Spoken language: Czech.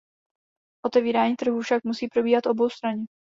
Otevírání trhů však musí probíhat oboustranně.